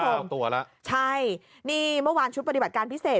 มอบตัวแล้วใช่นี่เมื่อวานชุดปฏิบัติการพิเศษ